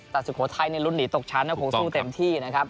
แต่สุโขทัยลุ้นหนีตกชั้นคงสู้เต็มที่นะครับ